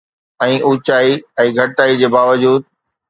۽ اونچائي ۽ گهٽتائي جي باوجود